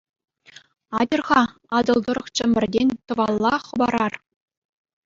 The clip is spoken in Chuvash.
Атьӑр-ха, Атӑл тӑрӑх Чӗмпӗртен тӑвалла хӑпарар.